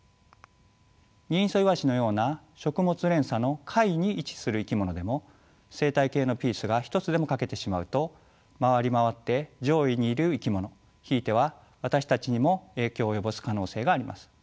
ギンイソイワシのような食物連鎖の下位に位置する生き物でも生態系のピースが一つでも欠けてしまうと回り回って上位にいる生き物ひいては私たちにも影響を及ぼす可能性があります。